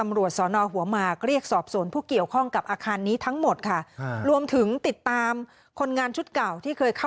มันห่ออยู่ในแท้งน้ำพอดีเลย